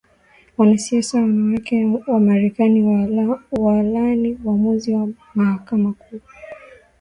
Wanasiasa wanawake wa Marekani walaani uamuzi wa Mahakama Kuu